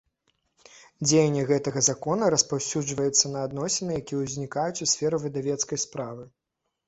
Дзеянне гэтага Закона распаўсюджваецца на адносiны, якiя ўзнiкаюць у сферы выдавецкай справы.